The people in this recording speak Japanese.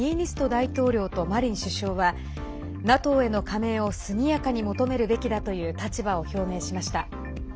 大統領とマリン首相はＮＡＴＯへの加盟を速やかに求めるべきだという立場を表明しました。